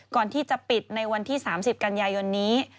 ก่อนที่จะปิดในวันที่๓๐กันยายนนี้